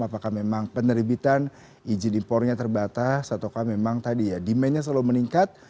apakah memang penerbitan izin impornya terbatas ataukah memang tadi ya demandnya selalu meningkat